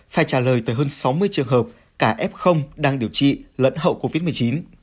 phải trả lời tới hơn sáu mươi trường hợp cả f đang điều trị lẫn hậu covid một mươi chín